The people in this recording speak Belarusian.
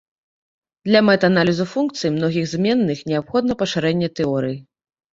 Для мэт аналізу функцый многіх зменных неабходна пашырэнне тэорыі.